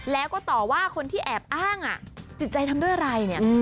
แล้วก็ต่อว่าคนที่แอบอ้างอ่ะจิตใจทำด้วยอะไรเนี่ย